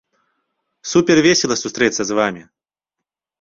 Супер весела сустрэцца з вамі!